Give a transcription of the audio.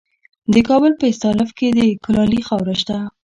د کابل په استالف کې د کلالي خاوره شته.